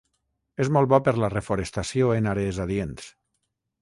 És molt bo per la reforestació en àrees adients.